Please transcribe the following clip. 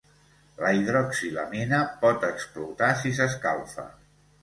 La hidroxilamina pot explotar si s'escalfa.